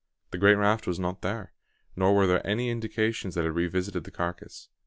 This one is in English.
The great raft was not there, nor were there any indications that it had revisited the carcass.